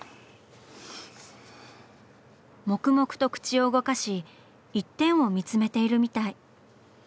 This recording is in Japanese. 黙々と口を動かし一点を見つめているみたい。